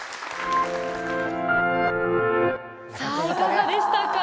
さあいかがでしたか？